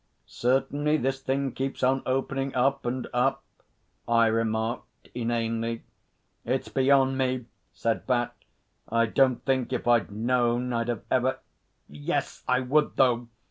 'Certainly, this thing keeps on opening up, and up,' I remarked inanely. 'It's beyond me!' said Bat. 'I don't think if I'd known I'd have ever ... Yes, I would, though.